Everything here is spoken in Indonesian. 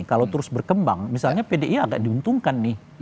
kalau terus berkembang misalnya pdi agak diuntungkan nih